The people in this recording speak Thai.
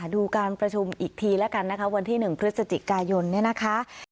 ดูการประชุมอีกทีแล้วกันนะคะวันที่๑พฤศจิกายนเนี่ยนะคะ